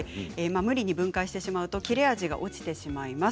無理に分解してしまうと切れ味が落ちてしまいます。